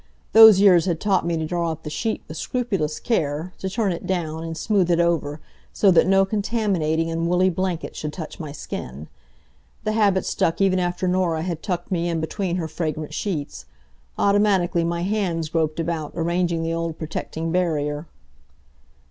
Those years had taught me to draw up the sheet with scrupulous care, to turn it down, and smooth it over, so that no contaminating and woolly blanket should touch my skin. The habit stuck even after Norah had tucked me in between her fragrant sheets. Automatically my hands groped about, arranging the old protecting barrier.